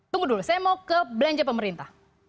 tunggu dulu saya mau ke belanja pemerintah